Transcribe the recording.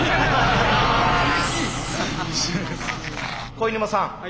肥沼さん